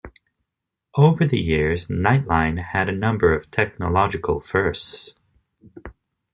Over the years, "Nightline" had a number of technological firsts.